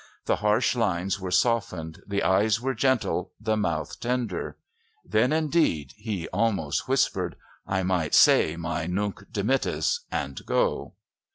The harsh lines were softened, the eyes were gentle, the mouth tender. "Then indeed," he almost whispered, "I might say my 'Nunc Dimittis' and go."